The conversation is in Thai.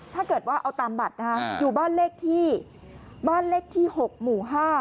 ถ้าเกิดว่าเอาตามบัตรนะฮะอยู่บ้านเลขที่บ้านเลขที่๖หมู่๕